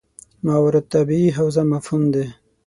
ماورا الطبیعي حوزه مفهوم دی.